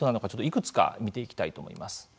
いくつか見ていきたいと思います。